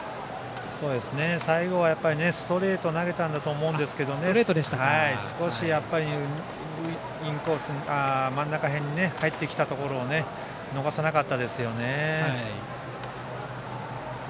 最後はストレートを投げたんだと思うんですが少し、真ん中辺に入ってきたところを逃さなかったですよね。